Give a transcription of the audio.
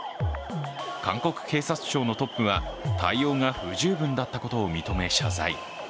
韓国警察庁のトップは対応が不十分だったことを認め謝罪。